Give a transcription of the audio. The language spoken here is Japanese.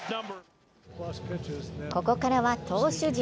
ここからは投手陣。